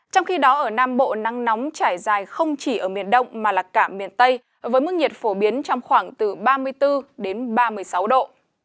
trong khi đó ở nam bộ nắng nóng trải dài không chỉ ở miền đông mà là cả miền tây với mức nhiệt phổ biến trong khoảng từ ba mươi bốn đến ba mươi sáu độ